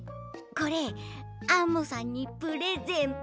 これアンモさんにプレゼント。